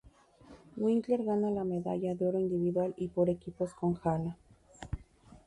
Winkler gana la medalla de oro individual y por equipos con "Halla".